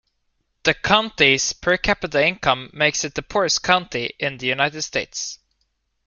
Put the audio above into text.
The county's per-capita income makes it the poorest county in the United States.